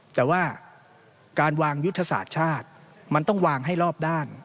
แต่ว่าการวางยุทธศาสตร์ชาติมันต้องวางให้รอบด้าน